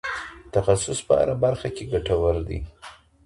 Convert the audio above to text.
تخصص په هره برخه کې ګټور دی.